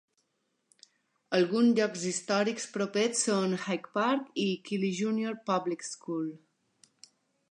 Alguns llocs històrics propers són High Park i Keele Junior Public School.